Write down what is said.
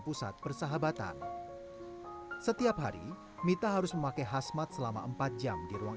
pusat persahabatan setiap hari mita harus memakai khasmat selama empat jam di ruang